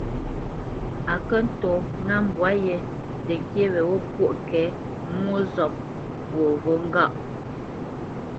Á kə̂ ntɔ̂ ŋá mbwǎ yē təŋkyé weghó pwôʼ ŋke mwô zɔ̂p fwoghó ŋgâʼ.